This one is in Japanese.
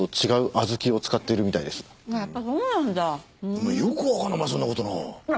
お前よくわかるなそんな事な。